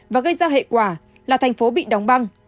và gây ra hệ quả là thành phố bị đóng băng